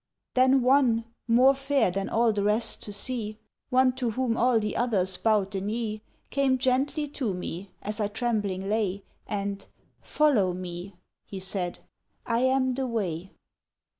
Then One, more fair than all the rest to see, One to whom all the others bowed the knee, Came gently to me, as I trembling lay, And, "Follow me," he said; "I am the Way."